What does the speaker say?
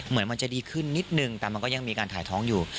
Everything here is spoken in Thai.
เหมือนมันจะดีขึ้นนิดนึงแต่มันก็ยังมีการถ่ายท้องอยู่